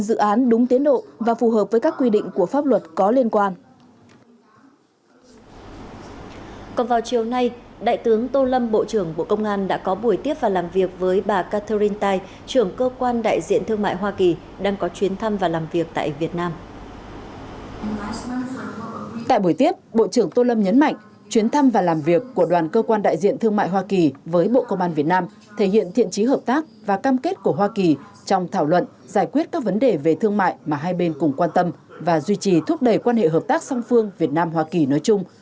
tại buổi tiếp bộ trưởng tô lâm nhấn mạnh chuyến thăm và làm việc của đoàn cơ quan đại diện thương mại hoa kỳ với bộ công an việt nam thể hiện thiện trí hợp tác và cam kết của hoa kỳ trong thảo luận giải quyết các vấn đề về thương mại mà hai bên cùng quan tâm và duy trì thúc đẩy quan hệ hợp tác song phương việt nam hoa kỳ nói chung